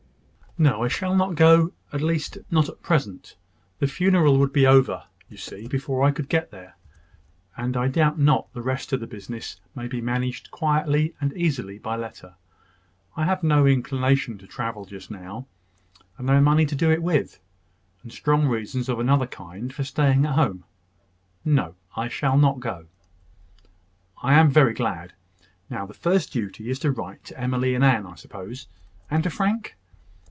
"No, I shall not go at least, not at present. The funeral would be over, you see, before I could get there; and I doubt not the rest of the business may be managed quietly and easily by letter. I have no inclination to travel just now, and no money to do it with, and strong reasons of another kind for staying at home. No, I shall not go." "I am very glad. Now, the first duty is to write to Emily and Anne, I suppose: and to Frank?"